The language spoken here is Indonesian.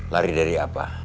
lari dari apa